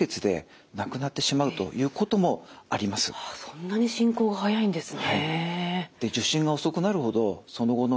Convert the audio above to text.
そんなに進行が速いんですね。